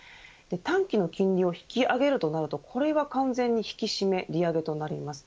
短期の金利を引き上げるとなると、これは完全に引き締め利上げとなります。